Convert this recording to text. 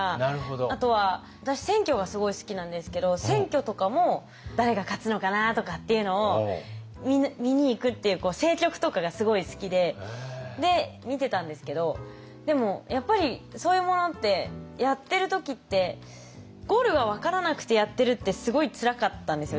あとは私選挙がすごい好きなんですけど選挙とかも誰が勝つのかなとかっていうのを見に行くっていう政局とかがすごい好きで見てたんですけどでもやっぱりそういうものってやってる時ってゴールが分からなくてやってるってすごいつらかったんですよ